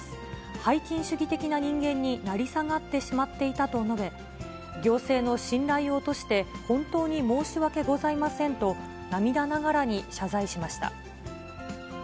拝金主義的な人間に成り下がってしまっていたと述べ、行政の信頼を落として、本当に申し訳ございませんと、涙ながらに謝罪しました。